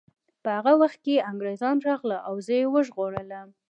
په هغه وخت کې انګریزان راغلل او زه یې وژغورلم